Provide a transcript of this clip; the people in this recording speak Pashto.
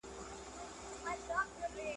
• د ابۍ پر مرگ نه يم عرزايل اموخته کېږي.